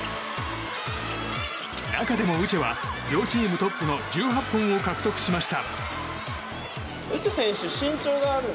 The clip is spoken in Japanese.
中でもウチェは両チームトップの１８本を獲得しました。